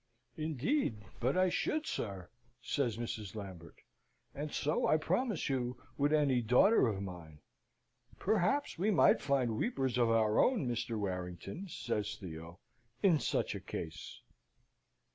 "Indeed, but I should, sir!" says Mrs. Lambert; "and so, I promise you, would any daughter of mine." "Perhaps we might find weepers of our own, Mr. Warrington," says Theo, "in such a case."